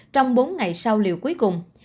trong bốn ngày sau liệu cuối cùng